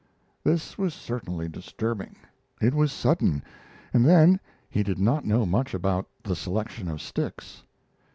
This was certainly disturbing. It was sudden, and then he did not know much about the selection of sticks.